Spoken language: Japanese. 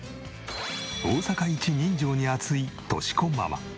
大阪一人情に厚い敏子ママ。